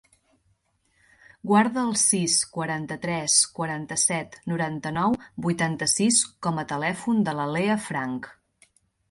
Guarda el sis, quaranta-tres, quaranta-set, noranta-nou, vuitanta-sis com a telèfon de la Leah Franch.